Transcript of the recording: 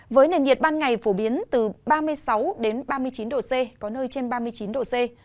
với nền nhiệt ban ngày phổ biến từ ba mươi sáu đến ba mươi chín độ c có nơi trên ba mươi chín độ c